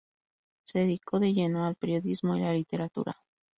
Se dedicó de lleno al periodismo y la literatura.